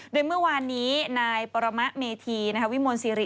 โดยเมื่อวานนี้นายปรมะเมธีวิมลสิริ